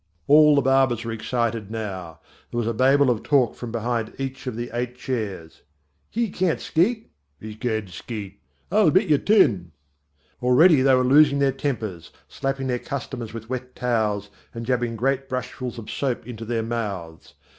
All the barbers were excited now. There was a babel of talk from behind each of the eight chairs. "He can't skate;" "He can skate;" "I'll bet you ten." Already they were losing their tempers, slapping their customers with wet towels and jabbing great brushfuls of soap into their mouths.